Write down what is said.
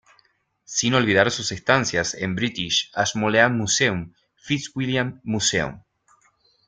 Sin olvidar sus estancias en British, Ashmolean Museum, Fitzwilliam Museum.